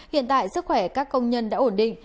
hiện tại sức khỏe các công nhân đã ổn định